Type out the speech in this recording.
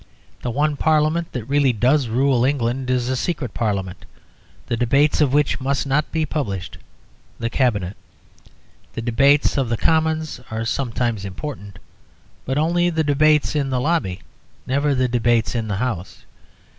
The one Parliament that really does rule England is a secret Parliament; the debates of which must not be published the Cabinet. The debates of the Commons are sometimes important; but only the debates in the Lobby, never the debates in the House.